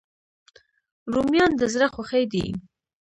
رومیان د زړه خوښي دي